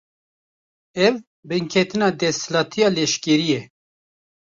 Ev, binketina desthilatiya leşkerî ye